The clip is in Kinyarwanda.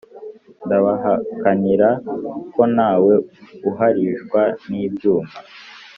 ndabahakanira ko ntawe uharishwa n'ibyuma